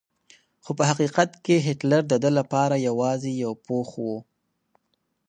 خو په حقیقت کې هېټلر د ده لپاره یوازې یو پوښ و.